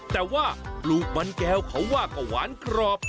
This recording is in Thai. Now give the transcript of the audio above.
แต่ว่าปลูกบรรแคลเขาว่าก็หวานกรอบ